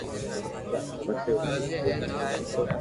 پسو اوٺين جيلين دوھين